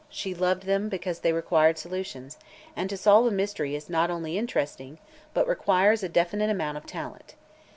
She loved them because they required solutions, and to solve a mystery is not only interesting but requires a definite amount of talent.